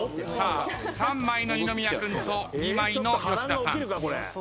さあ３枚の二宮君と２枚の吉田さん。